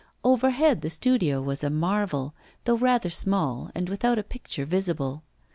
Overhead, the studio was a marvel, though rather small and without a picture visible.